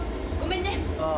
ごめんね。